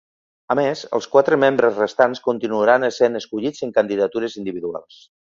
A més, els quatre membres restants continuaran essent escollits en candidatures individuals.